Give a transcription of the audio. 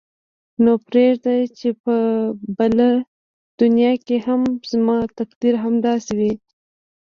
نو پرېږده چې په بله دنیا کې هم زما تقدیر همداسې وي.